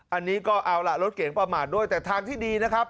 อันนี้ก็เอาล่ะรถเก๋งประมาทด้วยแต่ทางที่ดีนะครับ